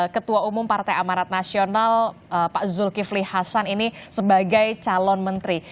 ketua umum partai amarat nasional pak zulkifli hasan ini sebagai calon menteri